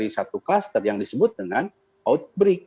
satu kluster yang disebut dengan outbreak